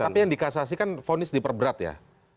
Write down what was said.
pak tapi yang di kasasi kan vonis diperberat ya